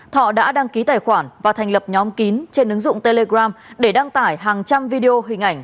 thọ đã đăng ký tài khoản và thành lập nhóm kín trên ứng dụng telegram để đăng tải hàng trăm video hình ảnh